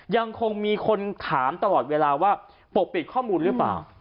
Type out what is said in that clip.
ยังคงมีคนถามตลอดเวลาว่าปกปิดข้อมูลหรือเปล่า